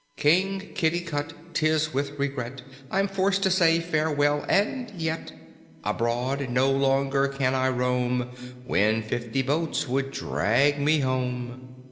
"King Kitticut, 'tis with regret I'm forced to say farewell; and yet Abroad no longer can I roam When fifty boats would drag me home.